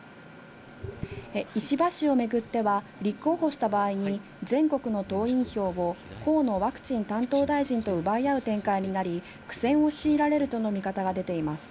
石破氏をめぐっては立候補した場合に全国の党員票を河野ワクチン担当大臣と奪い合う展開になり苦戦を強いられるとの見方が出ています。